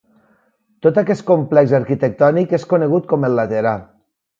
Tot aquest complex arquitectònic és conegut com el Laterà.